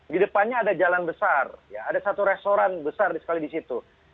di depannya ada jalan besar ada satu restoran besar sekali di situ